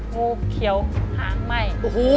งูเขียวหางไหม้